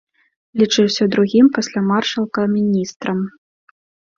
Лічыўся другім пасля маршалка міністрам.